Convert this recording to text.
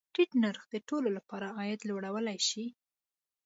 ټیټ نرخ د ټولو له پاره عاید لوړولی شي.